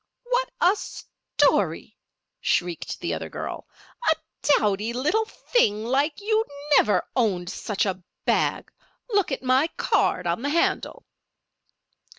"What a story!" shrieked the other girl. "A dowdy little thing like you never owned such a bag. Look at my card on the handle."